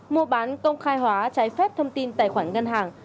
mua bán công khai hóa trái phép thông tin tài khoản ngân hàng